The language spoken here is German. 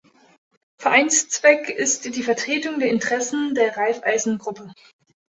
Vereinszweck ist die Vertretung der Interessen der Raiffeisen-Gruppe.